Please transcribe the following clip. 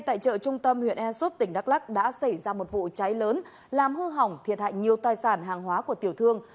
tại chợ trung tâm huyện ea súp tỉnh đắk lắc đã xảy ra một vụ cháy lớn làm hư hỏng thiệt hại nhiều tài sản hàng hóa của tiểu thương